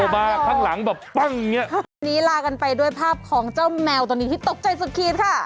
วันนี้ลากันไปด้วยภาพของเจ้าแมวตอนนี้ที่ตกใจสุดขีดค่ะ